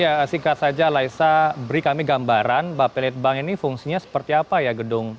ya singkat saja laisa beri kami gambaran bapelitbang ini fungsinya seperti apa ya gedung